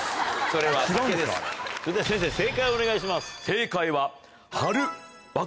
それでは先生正解をお願いします。